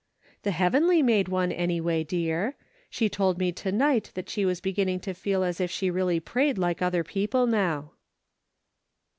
"The heavenly made one, anyway, dear. She told me to night that she was beginning to feel as if she really prayed like other people now."